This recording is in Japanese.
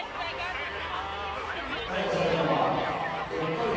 逮捕されたのは北海道